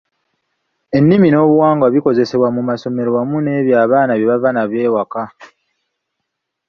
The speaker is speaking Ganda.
Ennimi n’obuwangwa ebikozesebwa mu masomero wamu n’ebyo abaana bye bava nabyo awaka.